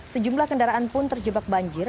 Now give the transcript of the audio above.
sejumlah kendaraan pun terjebak banjir